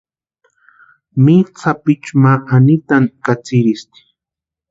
Mitʼu sapichu ma Anitani katsïrhisti.